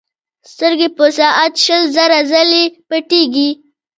سترګې په ساعت شل زره ځلې پټېږي.